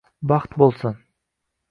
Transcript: baxt bo’lsin